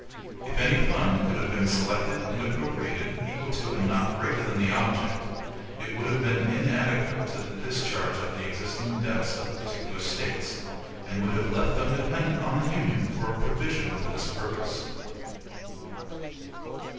If any fund could have been selected and appropriated, equal to and not greater than the object, it would have been inadequate to the discharge of the existing debts of the particular States, and would have left them dependent on the Union for a provision for this purpose.